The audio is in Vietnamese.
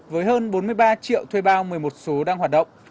với hơn bốn mươi ba triệu thuê bao một mươi một số đang hoạt động